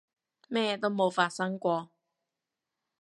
咩都冇發生過